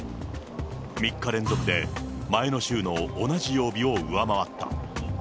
３日連続で前の週の同じ曜日を上回った。